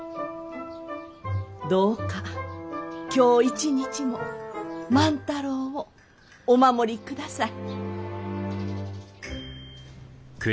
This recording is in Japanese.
どうか今日一日も万太郎をお守りください。